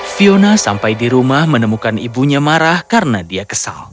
fiona sampai di rumah menemukan ibunya marah karena dia kesal